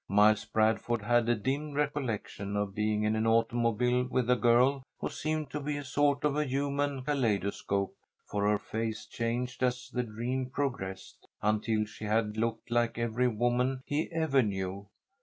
Miles Bradford had a dim recollection of being in an automobile with a girl who seemed to be a sort of a human kaleidoscope, for her face changed as the dream progressed, until she had looked like every woman he ever knew.